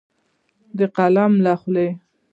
د قلم له خولې